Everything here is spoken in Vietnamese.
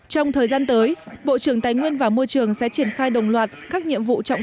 trong thời gian tới bộ trưởng tài nguyên và môi trường sẽ triển khai đồng loạt các nhiệm vụ trọng